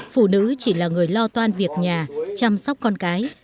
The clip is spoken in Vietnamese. phụ nữ chỉ là người lo toan việc nhà chăm sóc con cái